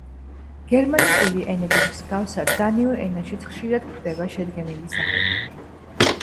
გერმანიკული ენების მსგავსად, დანიურ ენაშიც ხშირად გვხვდება შედგენილი სახელები.